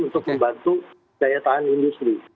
untuk membantu daya tahan industri